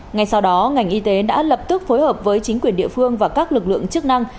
ngay sau đó ngành y tế đã lập tức phối hợp với chính quyền địa phương và các lực lượng chức năng